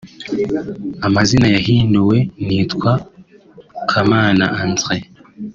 Amazina yahinduwe) Nitwa Kamana André